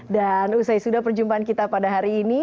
dan usai sudah perjumpaan kita pada hari ini